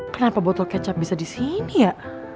kenapa botol kecap bisa disini ya